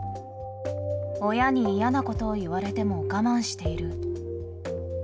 親に嫌なことを言われても我慢している。